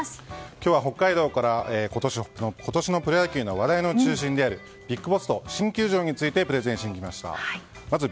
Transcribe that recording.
今日は北海道から今年のプロ野球の話題の中心であるＢＩＧＢＯＳＳと新球場についてプレゼンしに来ました。